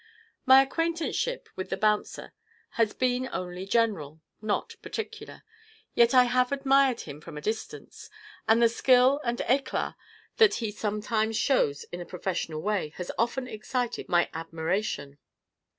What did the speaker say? My acquaintanceship with the bouncer has been only general, not particular. Yet I have admired him from a distance, and the skill and eclat that he sometimes shows in a professional way has often excited my admiration.